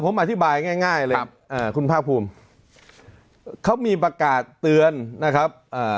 ผมอธิบายง่ายเลยคุณภาพภูมิเขามีประกาศเตือนนะครับ